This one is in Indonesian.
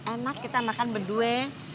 enak kita makan berdua